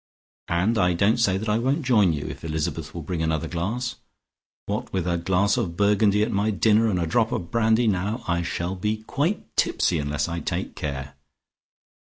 And I don't say that I won't join you, if Elizabeth will bring another glass. What with a glass of Burgundy at my dinner, and a drop of brandy now, I shall be quite tipsy unless I take care.